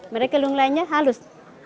mereka lunglainya halus